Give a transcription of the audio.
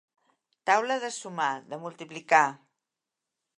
Taula de sumar, de multiplicar.